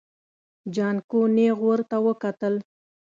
جانکو نيغ ورته وکتل.